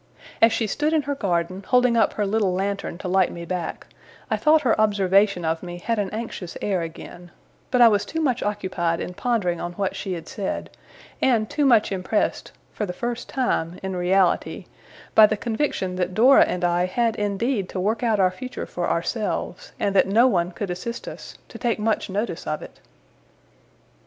As she stood in her garden, holding up her little lantern to light me back, I thought her observation of me had an anxious air again; but I was too much occupied in pondering on what she had said, and too much impressed for the first time, in reality by the conviction that Dora and I had indeed to work out our future for ourselves, and that no one could assist us, to take much notice of it.